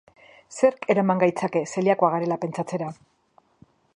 Zerk eraman gaitzake zeliakoak garela pentsatzera?